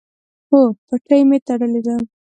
هو، پټۍ می تړلې ده